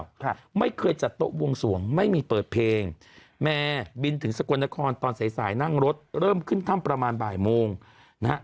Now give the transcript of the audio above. ค่ะไม่เคยจัดโต๊ะวงสวงไม่มีเปิดเพลงแม่บินถึงสกลนครตอนสายสายนั่งรถเริ่มขึ้นถ้ำประมาณบ่ายโมงนะฮะ